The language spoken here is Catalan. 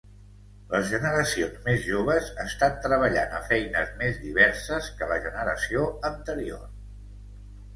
Les generacions més joves estan treballant a feines més diverses que la generació anterior.